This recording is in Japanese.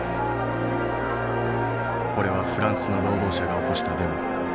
これはフランスの労働者が起こしたデモ。